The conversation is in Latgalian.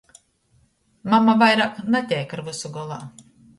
Mama vaira nateik ar vysu golā.